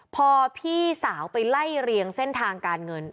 พอพี่สาวไปไล่เรียงเส้นทางการเงิน